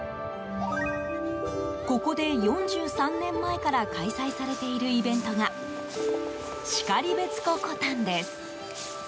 ここで、４３年前から開催されているイベントが然別湖コタンです。